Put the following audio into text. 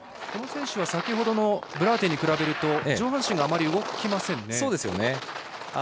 この選手は、先ほどのブラーテンに比べると上半身があまり動きませんね。